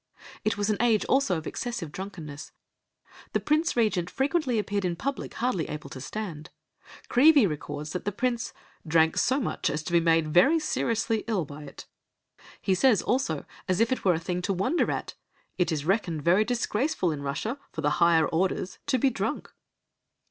It was an age also of excessive drunkenness, the Prince Regent frequently appeared in public hardly able to stand. Creevey records that the prince "drank so much as to be made very seriously ill by it"; he says also, as if it were a thing to wonder at, "It is reckoned very disgraceful in Russia for the higher orders to be drunk."